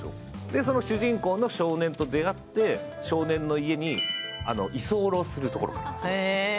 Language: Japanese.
その主人公の少年と出会って少年の家に居候するところが始まる。